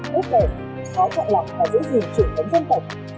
tốt bể khó chọn lọc và giữ gìn trụ tấn dân tộc